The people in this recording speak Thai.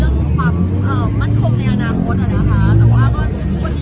เซอร์ไฟล์กว่าที่ข่าวออกไปแล้วว่าแตะ